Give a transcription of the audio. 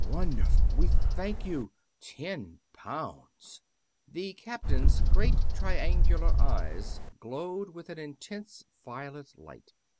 "Wonderful we thank you. Ten pounds!" The captain's great triangular eyes glowed with an intense violet light.